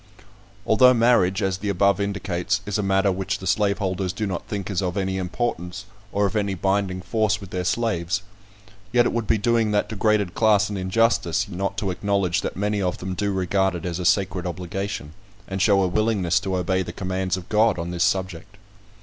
Although marriage, as the above indicates, is a matter which the slaveholders do not think is of any importance, or of any binding force with their slaves; yet it would be doing that degraded class an injustice, not to acknowledge that many of them do regard it as a sacred obligation, and show a willingness to obey the commands of God on this subject.